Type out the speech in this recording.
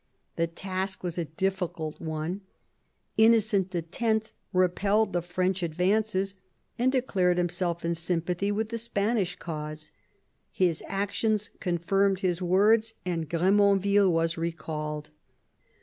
The task was a difficult one. Innocent X. repelled the French ad vances and declared himself in sympathy with the Spanish cause. His actions confirmed his words, and Gr^monville was recalled.